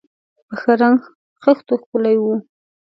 په ښه رنګ خښتو ښکلي و.